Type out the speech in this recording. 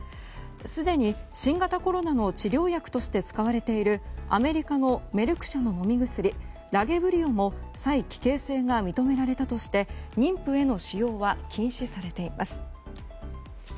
すでに新型コロナの治療薬として使われているアメリカのメルク社の飲み薬ラゲブリオも催奇形性が認められたとして妊婦への使用は禁止されています。